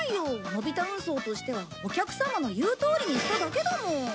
のび太運送としてはお客さまの言うとおりにしただけだもん。